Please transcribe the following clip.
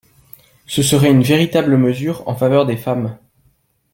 Ce serait une véritable mesure en faveur des femmes.